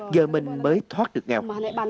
giờ mình mới thoát được nghèo